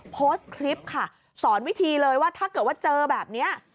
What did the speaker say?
โพสต์คลิปค่ะสอนวิธีเลยว่าถ้าเกิดว่าเจอแบบนี้